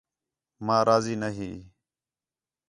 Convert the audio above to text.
ماں راضی نہ ہی